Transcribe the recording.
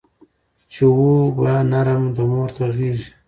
چي وو به نرم د مور تر غېږي